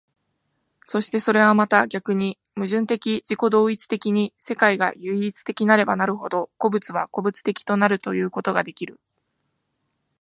そしてそれはまた逆に矛盾的自己同一的に世界が唯一的なればなるほど、個物は個物的となるということができる。